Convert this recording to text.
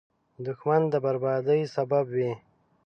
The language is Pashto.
دښمن د بربادۍ سبب وي